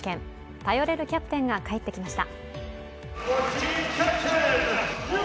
頼れるキャプテンが帰ってきました。